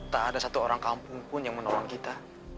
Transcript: tak ada satu orang kampung pun yang menolong kita